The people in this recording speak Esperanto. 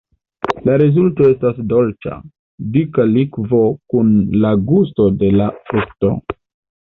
La rezulto estas dolĉa, dika likvo kun la gusto de la frukto.